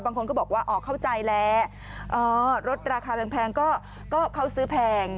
บางคนก็บอกว่าอ๋อเข้าใจแล้วรถราคาแพงก็เขาซื้อแพง